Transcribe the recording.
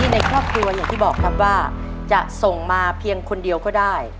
ในครอบครัวอย่างที่บอกครับว่าจะส่งมาเพียงคนเดียวก็ได้